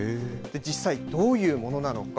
実際、どういうものなのか。